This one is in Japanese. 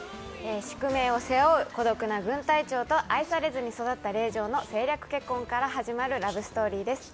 宿命を背負う孤独な軍隊長と愛されずに育った令嬢の政略結婚から始まるラブストーリーです。